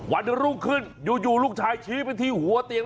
วันรุ่งขึ้นอยู่ลูกชายชี้ไปที่หัวเตียง